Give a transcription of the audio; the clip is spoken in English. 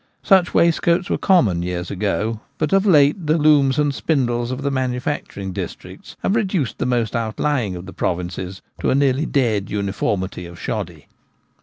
Such waistcoats were common years ago ; but of late the looms and spindles of the manufacturing dis D 34 The Gamekeeper at Home. tricts have reduced the most outlying of the provinces to a nearly dead uniformity of shoddy.